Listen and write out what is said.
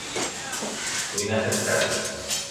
Vull anar a Setcases